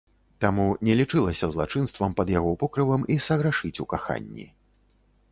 Таму не лічылася злачынствам пад яго покрывам і саграшыць у каханні.